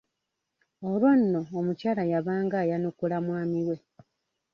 Olwo nno omukyala yabanga ayanukula mwami we.